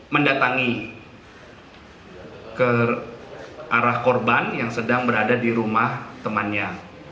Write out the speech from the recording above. mendatangi ke arah korban yang sedang berada di rumah temannya